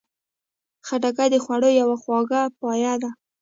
خټکی د خوړو یوه خواږه پایه ده.